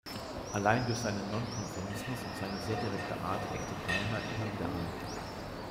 Allein durch seinen Nonkonformismus und seine sehr direkte Art eckte Palmer immer wieder an.